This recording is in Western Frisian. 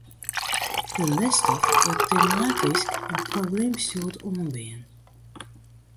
De lesstof wurdt tematysk en probleemstjoerd oanbean.